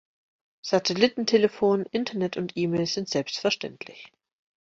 Satellitentelefon, Internet und E-Mails sind selbstverständlich.